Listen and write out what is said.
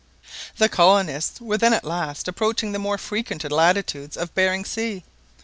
The colonists were then at last approaching the more frequented latitudes of Behring Sea.